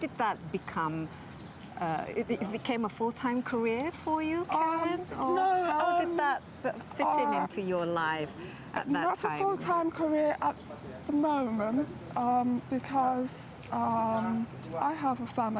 anda bisa memperbaiki hasilnya lebih cepat